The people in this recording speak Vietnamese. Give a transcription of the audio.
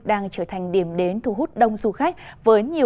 đang trở thành điểm đến thu hút đông du khách